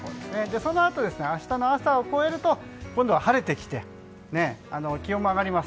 そのあと、明日の朝を超えると今度は晴れてきて気温も上がります。